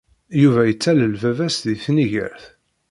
Yuba yettalel baba-s deg tnigert.